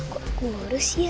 kok aku harus ya